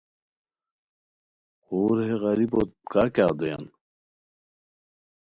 خور ہے غریبوت کا کیاغ دویان